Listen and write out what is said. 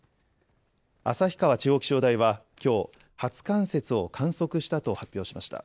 旭川地方気象台はきょう、初冠雪を観測したと発表しました。